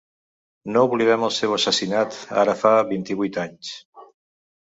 No oblidem el seu assassinat ara fa vint-i-vuit anys.